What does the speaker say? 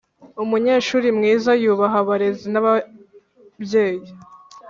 umunyeshuri mwiza yubaha abarezi n’ababyeyi